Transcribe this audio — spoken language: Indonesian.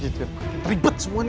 teribet semua nih